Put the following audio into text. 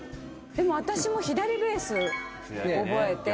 でも私も左ベース覚えて。